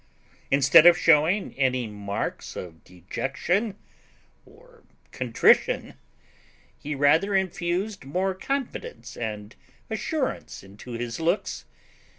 Instead of shewing any marks of dejection or contrition, he rather infused more confidence and assurance into his looks.